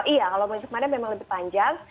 iya kalau musim panen memang lebih panjang